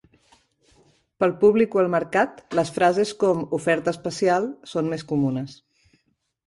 Pel públic o el mercat, les frases com "oferta especial" són més comunes.